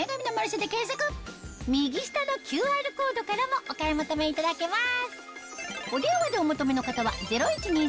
右下のＱＲコードからもお買い求めいただけます